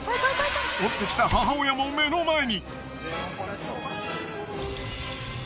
追ってきた母親も目の前に。